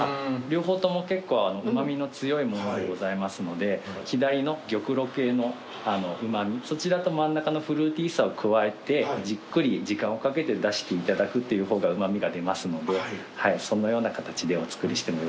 両方とも結構うま味の強いものでございますので左の玉露系のうま味そちらと真ん中のフルーティーさを加えてじっくり時間をかけて出していただくという方がうま味が出ますのでそのような形でお作りしてもよろしいですか？